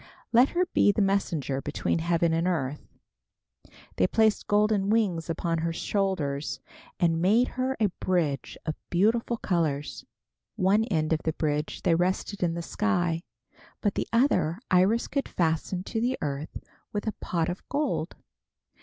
"Let her be the messenger between heaven and earth." They placed golden wings upon her shoulders and made her a bridge of beautiful colors. One end of the bridge they rested in the sky, but the other Iris could fasten to the earth with a pot of gold.